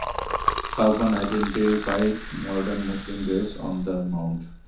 Kaplan identified modern Muslim graves on the mound.